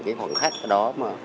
cái khoảnh khắc đó mà